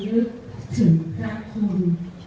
ลูกถึงรักคุณ